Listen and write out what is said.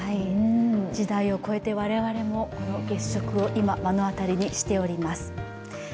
時代を超えて我々もこの月食を今、目の当たりにしております。